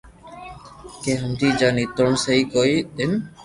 ڪي ھمجي جا نيتوڻ سھي ڪوئي نن